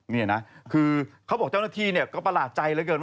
นี่นะคือเขาบอกเจ้าหน้าที่ก็ประหลาดใจแล้วเกิน